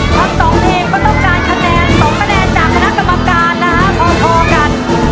ทั้ง๒ทีมก็ต้องการคะแนน๒คะแนนจากคณะกรรมการ